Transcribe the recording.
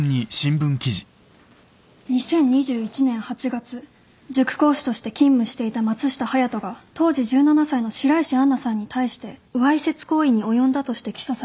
２０２１年８月塾講師として勤務していた松下隼人が当時１７歳の白石杏奈さんに対してわいせつ行為に及んだとして起訴された。